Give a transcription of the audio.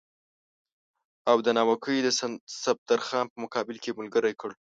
او د ناوګۍ د صفدرخان په مقابل کې یې ملګری کړ.